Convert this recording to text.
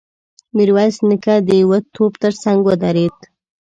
ميرويس نيکه د يوه توپ تر څنګ ودرېد.